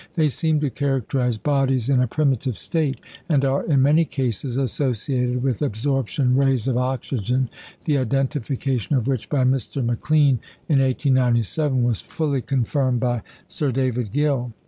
They seem to characterise bodies in a primitive state, and are in many cases associated with absorption rays of oxygen, the identification of which by Mr. McClean in 1897 was fully confirmed by Sir David Gill.